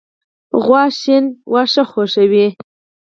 غوا شین واښه خوښوي.